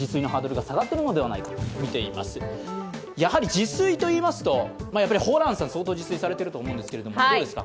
自炊といいますと、ホランさん、相当自炊されていると思いますが、どうですか？